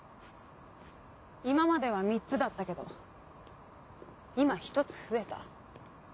今までは３つだったけど今１つ増えた。